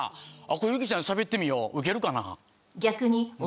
これユキちゃんにしゃべってみようウケるかな？